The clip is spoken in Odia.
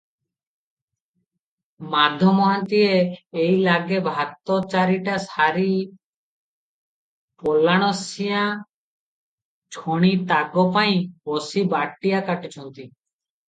ମାଧ ମହାନ୍ତିଏ ଏଇଲାଗେ ଭାତ ଚାରିଟା ସାରି ପଲାଣସିଆଁ ଛଣି ତାଗପାଇଁ ବସି ବାଟିଆ କାଟୁଛନ୍ତି ।